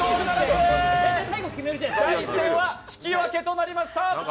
第１戦は引き分けとなりました。